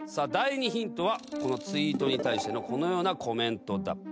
第２ヒントはこのツイートに対してのこのようなコメントだ。